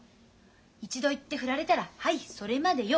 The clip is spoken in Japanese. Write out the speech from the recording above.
一度言って振られたら「ハイそれまでヨ」